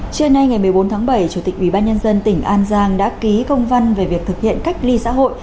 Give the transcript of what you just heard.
trưa nay ngày một mươi bốn tháng bảy chủ tịch ubnd tỉnh an giang đã ký công văn về việc thực hiện cách ly xã hội